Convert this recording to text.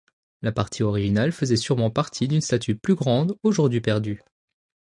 La partie originale faisait sûrement partie d'une statue plus grande, aujourd'hui perdue.